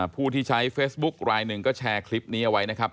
ผู้ที่ใช้เฟซบุ๊กรายหนึ่งก็แชร์คลิปนี้เอาไว้นะครับ